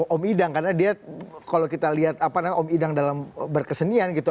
om idang karena dia kalau kita lihat om idang dalam berkesenian gitu